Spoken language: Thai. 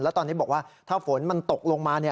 แล้วตอนนี้บอกว่าถ้าฝนมันตกลงมา